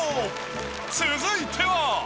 続いては。